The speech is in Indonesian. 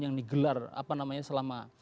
yang digelar apa namanya selama